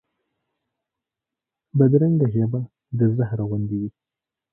بدرنګه ژبه د زهر غوندې وي